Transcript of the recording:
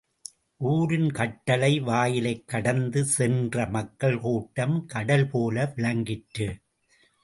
ஊரின் கட்டளை வாயிலைக் கடந்து சென்ற மக்கள் கூட்டம் கடல்போல விளங்கிற்று.